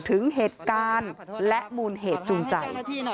ถึงเหตุการณ์และมูลเหตุจูงใจ